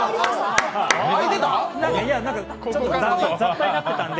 雑多になっていたんで。